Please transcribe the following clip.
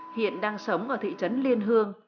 hiện đang sống ở thị trấn liên hương